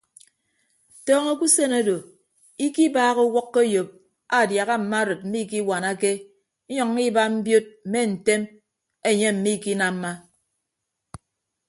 Tọọñọ ke usen odo ikibaaha iwʌkkọ eyop aadiaha mma arịd mmikiwanake inyʌññọ iba mbiod mme ntem enye mmikinamma.